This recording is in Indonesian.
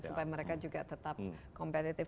supaya mereka juga tetap kompetitif